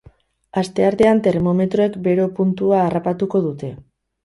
Asteartean termometroek bero puntua harrapatuko dute.